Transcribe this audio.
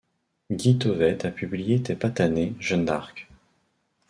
Guy Thauvette a publié T'es pas tannée, Jeanne d'Arc?